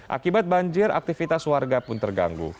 akibat banjir aktivitas warga pun terganggu